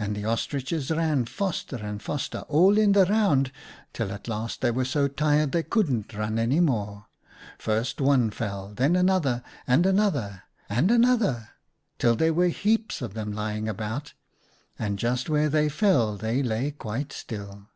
And the Ostriches ran faster and faster, all in the round, till at last they were so tired they couldn't run any more. First one fell, and then another, and another, and another, till there were heaps of them lying about, and just where they fell they lay quite still.